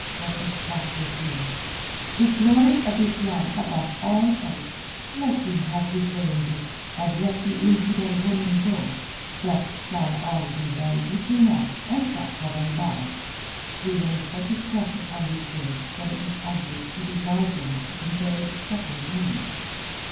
was his crafty appeal. "The glory of Islam above all else! Let him have his way in this, and let the infidel woman go. Thus shall all be well between us and Sakr el Bahr!" He laid such a stress upon these words that it was obvious he desired them to convey a second meaning.